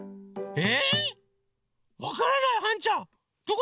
え！